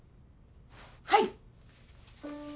はい。